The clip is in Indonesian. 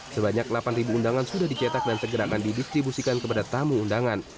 sebanyak delapan undangan sudah dicetak dan segera akan didistribusikan kepada tamu undangan